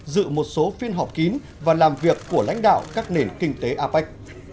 dự một số phiên họp kín và làm việc của lãnh đạo các nền kinh tế apec